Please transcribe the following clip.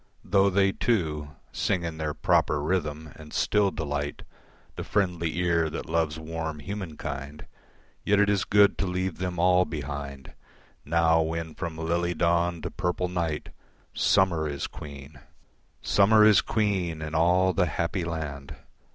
Though they too Sing in their proper rhythm, and still delight The friendly ear that loves warm human kind, Yet it is good to leave them all behind, Now when from lily dawn to purple night Summer is queen, Summer is queen in all the happy land.